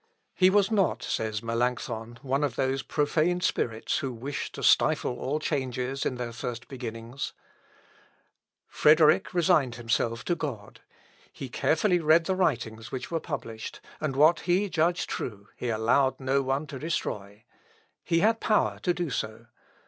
"He was not," says Melancthon, "one of those profane spirits who wish to stifle all changes in their first beginnings. Frederick resigned himself to God. He carefully read the writings which were published, and what he judged true he allowed no one to destroy." He had power to do so.